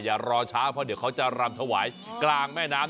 อย่ารอช้าเพราะเดี๋ยวเขาจะรำถวายกลางแม่น้ำ